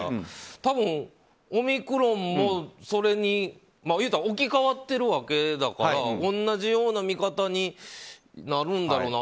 多分、オミクロンも言うたら置き換わってるわけだから同じような見方になるんだろうなと。